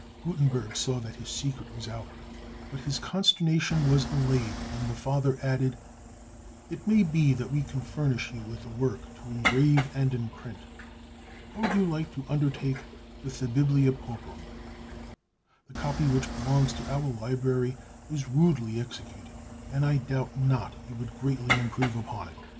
'" Gutenberg saw that his secret was out; but his consternation was allayed when the Father added, "It may be that we can furnish you with a work to engrave and imprint. How would you like to undertake with the 'Biblia Pauperum?' The copy which belongs to our library is rudely executed, and I doubt not you would greatly improve upon it.